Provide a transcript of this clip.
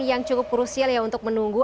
yang cukup krusial ya untuk menunggu